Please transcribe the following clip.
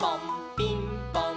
ピンポン！